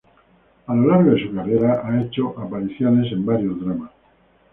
A lo largo de su carrera ha hecho apariciones en varios dramas.